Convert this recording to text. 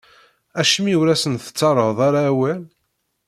Acimi ur asent-tettarraḍ ara awal?